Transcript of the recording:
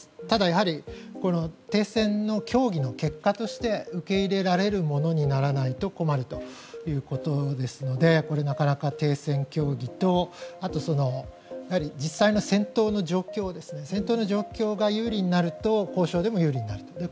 ただ、停戦協議の結果として受け入れられるものにならないと困るということですのでなかなか停戦協議とあとは実際の戦闘の状況が有利になると交渉でも有利になると。